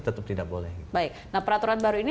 tetap tidak boleh baik nah peraturan baru ini